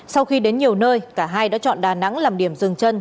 sau khi đến nhiều nơi cả hai đã chọn đà nẵng làm điểm dừng chân